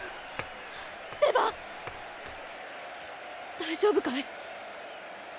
大丈夫かい？